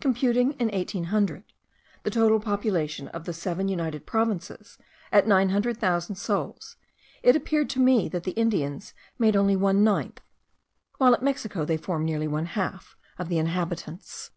Computing, in 1800, the total population of the seven united provinces at nine hundred thousand souls, it appeared to me that the Indians made only one ninth; while at Mexico they form nearly one half of the inhabitants.